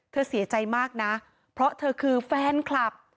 เสียใจมากนะเพราะเธอคือแฟนคลับ